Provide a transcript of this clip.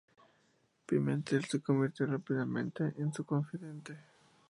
Pimentel se convirtió rápidamente en su confidente.